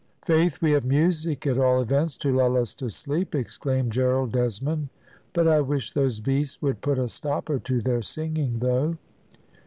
"Faith, we have music at all events to lull us to sleep," exclaimed Gerald Desmond; "but I wish those beasts would put a stopper to their singing, though!"